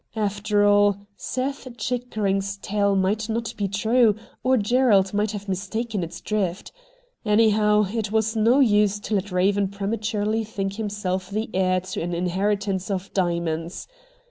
After all, Seth Chickering's tale might not be true, or Gerald might have mistaken its drift. Anyhow it was no use to let Eaven prematurely think himself the heir to an inheritance of diamonds.